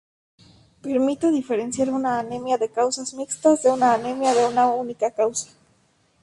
Permite diferenciar una anemia de causas mixtas de una anemia de una única causa.